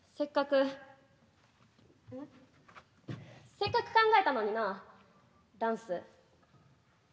せっかく考えたのになダンス。